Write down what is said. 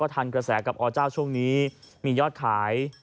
ตอนนี้มียอดขาย